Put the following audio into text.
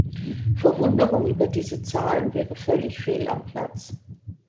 Verwunderung über diese Zahlen wäre völlig fehl am Platz.